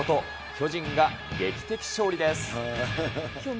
巨人が劇的勝利です。